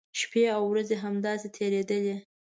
شپی او ورځې همداسې تېریدلې.